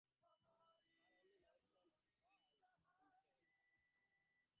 Her only nourishment was the Eucharist.